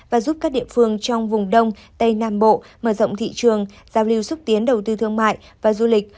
và giúp các địa phương trong vùng đông tây nam bộ mở rộng thị trường giao lưu xúc tiến đầu tư thương mại và du lịch